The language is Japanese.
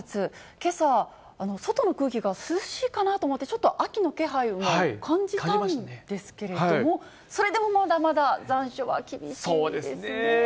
けさ、外の空気が涼しいかなと思って、ちょっと秋の気配を感じたんですけれども、それでもまだまだ残暑そうですね。